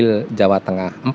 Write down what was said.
di jawa tengah empat